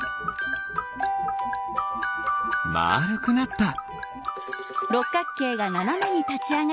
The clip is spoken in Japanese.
まるくなった。